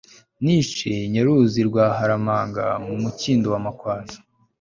nishe nyaruzi rwa haramanga mu mukindo wa makwaza